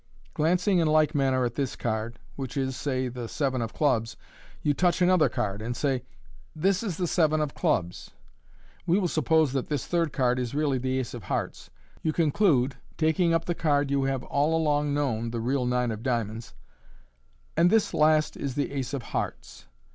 Glancing in like manner at this card, which is, say, the seven of clubs, you touch another card, and say, " This is the seven of clubs." We will suppose that this third card is really the ace of hearts. You conclude, taking up the card you have all along known (the real nine of diamonds), " And this last is the aci of hearts."